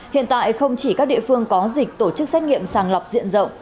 hiện tại không chỉ các địa phương có dịch tổ chức xét nghiệm sàng lọc diện rộng